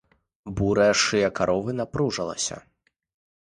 Бурая шыя каровы напружылася.